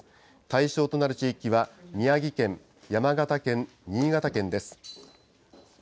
対象となる地域は、宮城県、山形県、新潟県です。